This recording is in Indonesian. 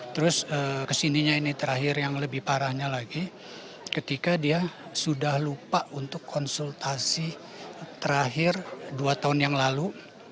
terus kesininya ini terakhir yang lebih parahnya lagi ketika dia sudah lupa untuk konsultasi terakhir dua tahun yang lalu